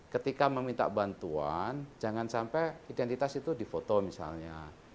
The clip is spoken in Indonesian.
ketika meminta bantuan jangan sampai identitas itu di foto misalnya